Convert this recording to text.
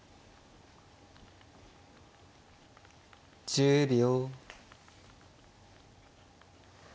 １０秒。